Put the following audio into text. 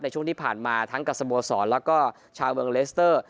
ช่วงที่ผ่านมาทั้งกับสโมสรแล้วก็ชาวเมืองเลสเตอร์